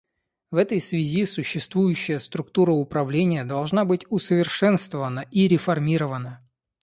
В этой связи существующая структура управления должна быть усовершенствована и реформирована.